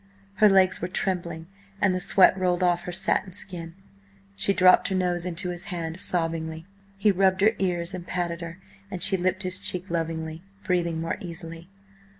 Her legs were trembling, and the sweat rolled off her satin skin. She dropped her nose into his hand, sobbingly. He rubbed her ears and patted her, and she lipped his cheek lovingly, breathing more easily.